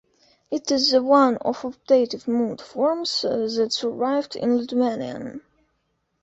It is the one of optative mood forms that survived in Lithuanian.